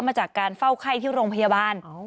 มาจากการเฝ้าไข้ที่โรงพยาบาล